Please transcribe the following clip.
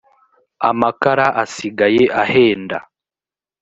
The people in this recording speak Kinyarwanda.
amakara asigaye ahenda